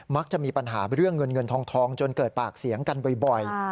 จะมีปัญหาเรื่องเงินเงินทองจนเกิดปากเสียงกันบ่อย